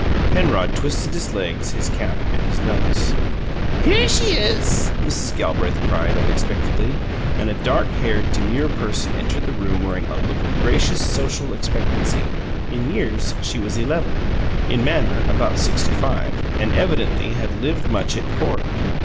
Penrod twisted his legs, his cap and his nose. "Here she is!" Mrs. Gelbraith cried, unexpectedly, and a dark haired, demure person entered the room wearing a look of gracious social expectancy. In years she was eleven, in manner about sixty five, and evidently had lived much at court.